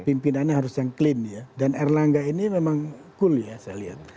pimpinannya harus yang clean ya dan erlangga ini memang cool ya saya lihat